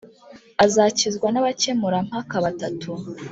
azakizwa n abakemurampaka batatu